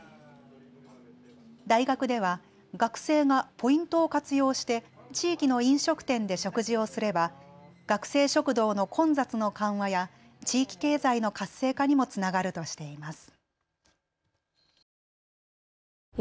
大学では学生がポイントを活用して地域の飲食店で食事をすれば学生食堂の混雑の緩和や地域経済の活性化にもつながるとしています。